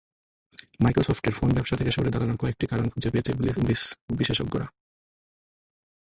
মাইক্রোসফটের ফোন ব্যবসা থেকে সরে দাঁড়ানোর কয়েকটি কারণ খুঁজে পেয়েছেন বিশ্লেষকেরা।